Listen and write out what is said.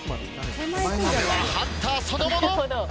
その目はハンターそのもの。